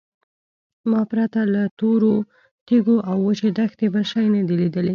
ما پرته له تورو تیږو او وچې دښتې بل شی نه دی لیدلی.